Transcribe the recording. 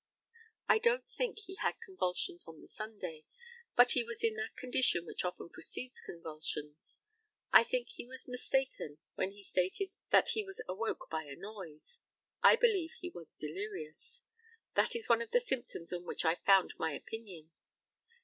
I don't think he had convulsions on the Sunday, but he was in that condition which often precedes convulsions. I think he was mistaken when he stated that he was awoke by a noise. I believe he was delirious. That is one of the symptoms on which I found my opinion.